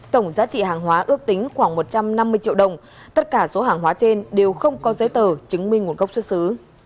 tổng giá trị hàng hóa ước tính khoảng một trăm năm mươi triệu đồng tất cả số hàng hóa trên đều không có giấy tờ chứng minh nguồn gốc xuất xứ